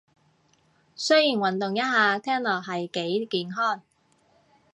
雖然運動一下聽落係幾健康